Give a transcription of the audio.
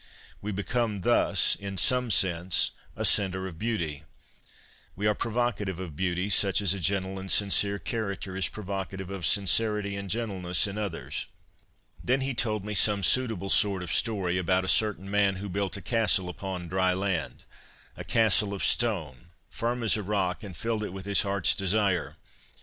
We become thus, in some sense, a centre of beauty ; we are provocative of beauty, such as a gentle and sincere character is provocative of sincerity and gentleness in others. ..." Then he told me ' some suitable sort of story ' about a certain man who built a castle upon dry land, a castle of stone, firm as a rock, and filled it with his heart's desire.